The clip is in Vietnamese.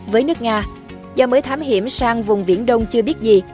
với nước nga do mới thám hiểm sang vùng viễn đông chưa biết gì